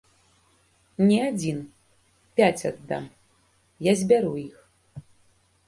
Ні адзін, пяць аддам, я збяру іх.